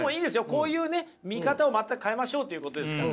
こういうね見方を全く変えましょうということですから。